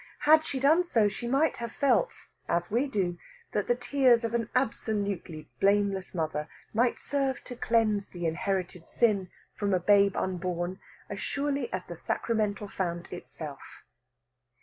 Had she done so she might have felt, as we do, that the tears of an absolutely blameless mother might serve to cleanse the inherited sin from a babe unborn as surely as the sacramental fount itself.